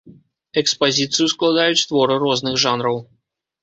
Экспазіцыю складаюць творы розных жанраў.